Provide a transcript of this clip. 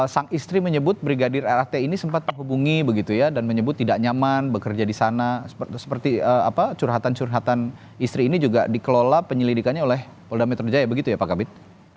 sang istri menyebut brigadir rat ini sempat menghubungi begitu ya dan menyebut tidak nyaman bekerja di sana seperti curhatan curhatan istri ini juga dikelola penyelidikannya oleh polda metro jaya begitu ya pak kabit